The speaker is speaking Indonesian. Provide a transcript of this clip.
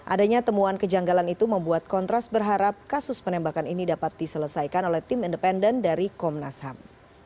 adanya temuan kejanggalan itu membuat kontras berharap kasus penembakan ini dapat diselesaikan oleh tim independen dari komnas ham